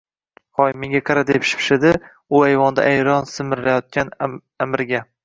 — Hoy, menga qara, — deb shipshidi u ayvonda ayron simirayotgan Аmirga.